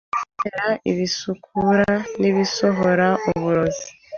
Kubera ibisukura n’ibisohora uburozi